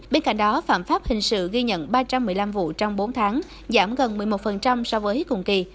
bên cạnh đó phạm pháp hình sự ghi nhận ba trăm một mươi năm vụ trong bốn tháng giảm gần một mươi một so với cùng kỳ